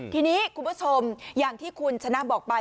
ทีนี้คุณผู้ชมอย่างที่คุณชนะบอกไป